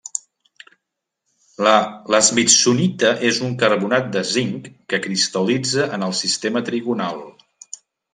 La smithsonita és un carbonat de zinc, que cristal·litza en el sistema trigonal.